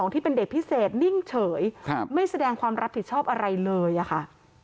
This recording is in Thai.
ที่เป็นเด็กพิเศษนิ่งเฉยไม่แสดงความรับผิดชอบอะไรเลยอะค่ะ